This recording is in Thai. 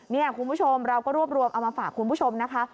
นี่คุณผู้ชมเราก็รวบรวมเอามาฝากคุณผู้ชมนะคะ